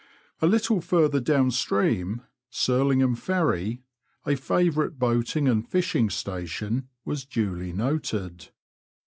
A little further down stream, Surlingham Ferry, a favourite boating and fishing station, was duly noted.